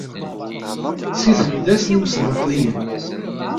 Si txidas n yimesbaṭliyen.